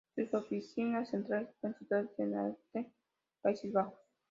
Sus oficinas centrales están situadas en Amsterdam, Países Bajos.